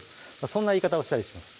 そんな言い方をしたりします